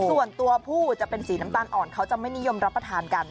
ส่วนตัวผู้จะเป็นสีน้ำตาลอ่อนเขาจะไม่นิยมรับประทานกัน